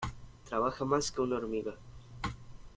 Trabaja más que una hormiga